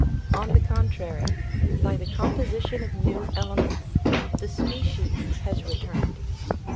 On the contrary, by the com position of new elements, the species has returned.